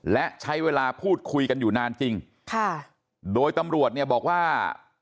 และใช้เวลาพูดคุยกันอยู่นานจริงค่ะโดยตำรวจเนี่ยบอกว่า